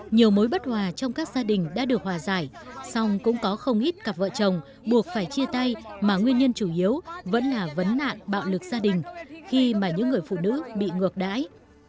nhiều mối bất hòa trong các gia đình đã được hòa giải song cũng có không ít cặp vợ chồng buộc phải chia tay mà nguyên nhân chủ yếu vẫn là vấn nạn bạo lực gia đình khi mà những người phụ nữ bị ngược đãi